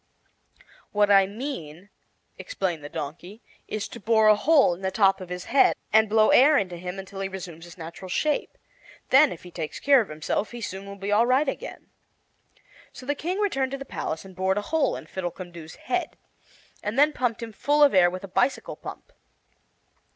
"What I mean," explained the Donkey, "is to bore a hole in the top of his head, and blow air into him until he resumes his natural shape. Then, if he takes care of himself, he soon will be all right again." So the King returned to the palace and bored a hole in Fiddlecumdoo's head, and then pumped him full of air with a bicycle pump.